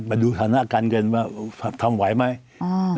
มาดูฐานาการกันว่าทำไหวไหม